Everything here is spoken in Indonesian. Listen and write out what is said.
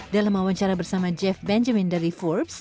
dalam wawancara bersama jeff benjamin dari forbes